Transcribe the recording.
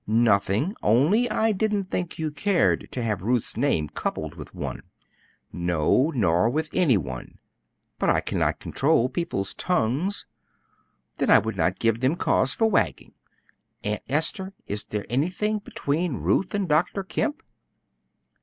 "Nothing. Only I didn't think you cared to have Ruth's name coupled with one." "No, nor with any one. But as I cannot control people's tongues " "Then I would not give them cause for wagging. Aunt Esther, is there anything between Ruth and Dr. Kemp?"